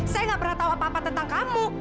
saya gak pernah tahu apa apa tentang kamu